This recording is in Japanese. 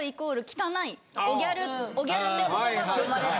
汚ギャルっていう言葉が生まれて。